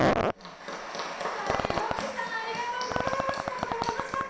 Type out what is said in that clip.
ロッチさんありがとうございました。